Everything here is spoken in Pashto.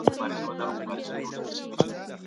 د دغو لاملونو کنټرول خورا ستونزمن کار دی.